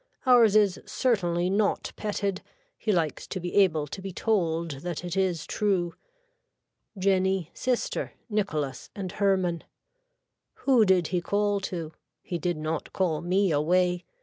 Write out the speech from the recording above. Ours is certainly not petted. He likes to be able to be told that it is true. Jenny, sister, Nicholas and Hermann. Who did he call to. He did not call me away.